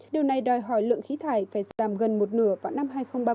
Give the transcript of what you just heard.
điều này đòi hỏi lượng khí thải phải giảm gần một nửa vào năm hai nghìn ba mươi